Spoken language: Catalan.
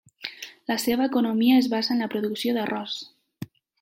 La seva economia es basa en la producció d'arròs.